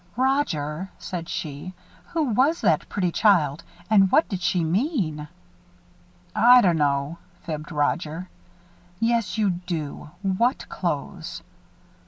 "Roger," said she, "who was that pretty child and what did she mean?" "I dunno," fibbed Roger. "Yes, you do. What clothes?"